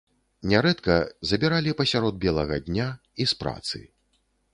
Нярэдка забіралі пасярод белага дня і з працы.